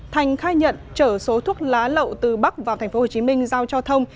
thành khai nhận chở số thuốc lá lậu từ bắc vào tp hcm giao cho thông